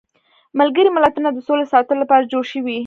ملګري ملتونه د سولې ساتلو لپاره جوړ شویدي.